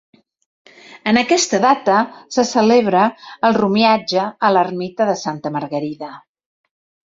En aquesta data se celebra el romiatge a l'ermita de Santa Margarida.